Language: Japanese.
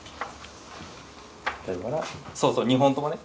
そうそう２本ともね。